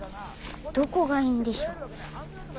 どこがいいんでしょう